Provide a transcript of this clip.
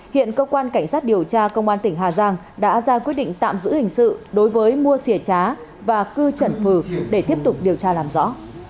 hiện cơ quan cảnh sát điều tra công an tỉnh hà giang đã ra quyết định tạm giữ hình sự đối với mua xỉ trá và cư trần phừ để tiếp tục điều tra làm rõ